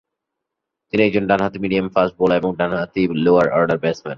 তিনি একজন ডানহাতি মিডিয়াম-ফাস্ট বলার এবং ডানহাতি লোয়ার অর্ডার ব্যাটসম্যান।